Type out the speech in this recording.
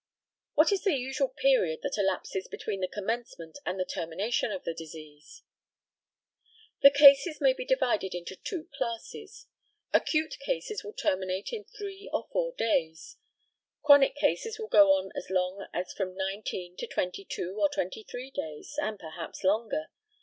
What is the usual period that elapses between the commencement and the termination of the disease? The cases may be divided into two classes. Acute cases will terminate in three or four days, chronic cases will go on as long as from nineteen to twenty two or twenty three days, and perhaps longer.